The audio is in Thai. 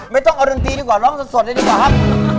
ไม่ต้องเอาดนตรีดีกว่าร้องสดเลยดีกว่าครับ